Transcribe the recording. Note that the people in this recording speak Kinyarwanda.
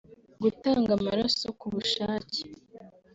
gutanga amaraso ku bushake